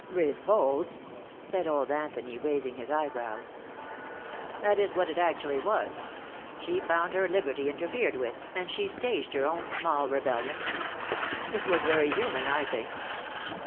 "Revolt?" said old Anthony, raising his eyebrows. "That is what it actually was. She found her liberty interfered with, and she staged her own small rebellion. It was very human, I think."